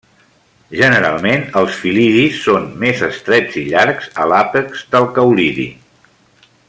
Generalment els fil·lidis són més estrets i llargs a l'àpex del caulidi.